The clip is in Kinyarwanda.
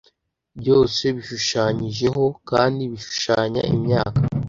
Byose bishushanyijeho kandi bishushanya imyaka